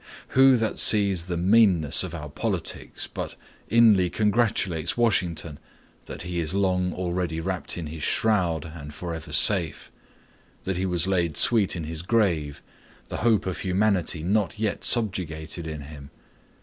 Who that sees the meanness of our politics but inly congratulates Washington that he is long already wrapped in his shroud, and for ever safe; that he was laid sweet in his grave, the hope of humanity not yet subjugated in him?